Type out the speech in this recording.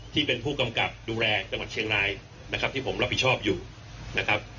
ที่เป็นผู้กำกับดูแลจังหวัดเชียงรายนะครับที่ผมรับผิดชอบอยู่นะครับ